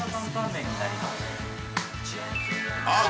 ◆あっ。